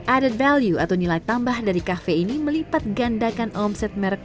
added value atau nilai tambah dari cafe ini melipat gandakan omset merata